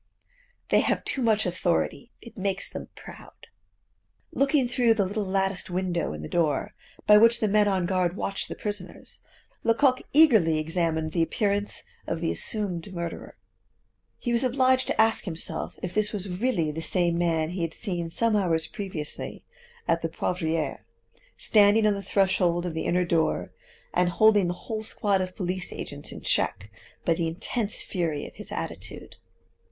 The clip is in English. They have too much authority; it makes them proud." Looking through the little latticed window in the door, by which the men on guard watch the prisoners, Lecoq eagerly examined the appearance of the assumed murderer. He was obliged to ask himself if this was really the same man he had seen some hours previously at the Poivriere, standing on the threshold of the inner door, and holding the whole squad of police agents in check by the intense fury of his attitude.